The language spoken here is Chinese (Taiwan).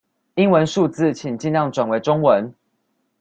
英文數字請盡量轉為中文